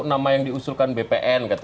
nama yang diusulkan bpn